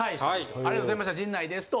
ありがとうございました陣内ですと。